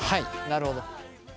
なるほど。